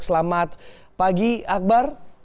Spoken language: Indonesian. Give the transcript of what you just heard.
selamat pagi akbar